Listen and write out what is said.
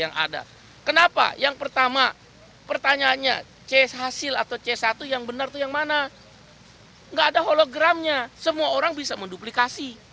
nggak ada hologramnya semua orang bisa menduplikasi